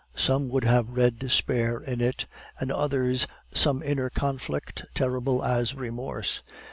Some would have read despair in it, and others some inner conflict terrible as remorse.